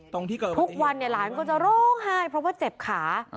ทุกวันหลานก็จะโรงไห้เพราะว่าเจ็บขา